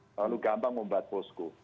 terlalu gampang membuat posko